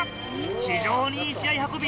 非常にいい試合運び。